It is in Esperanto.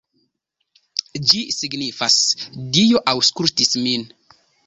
Ĝi signifas: Dio aŭskultis min.